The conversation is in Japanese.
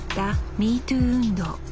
ＭｅＴｏｏ運動。